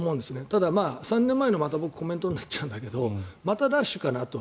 ただ、３年前の、またコメントになっちゃうんだけどまたラッシュかなと。